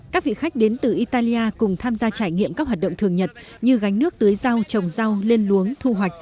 các vị khách đến từ italia cùng tham gia trải nghiệm các hoạt động thường nhật như gánh nước tưới rau trồng rau lên luống thu hoạch